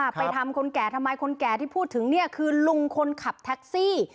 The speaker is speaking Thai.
ไปทำคนแก่ทำไมคนแก่ที่พูดถึงเนี่ยคือลุงคนขับแท็กซี่